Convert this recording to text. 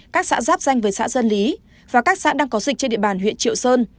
các xã giáp danh với xã dân lý và các xã đang có dịch trên địa bàn huyện triệu sơn